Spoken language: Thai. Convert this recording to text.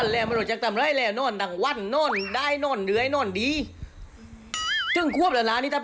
อันนี้คือแมวตายหรือเปล่า